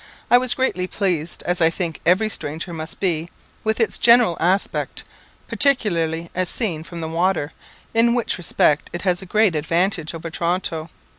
I was greatly pleased, as I think every stranger must be, with its general aspect, particularly as seen from the water, in which respect it has a great advantage over Toronto.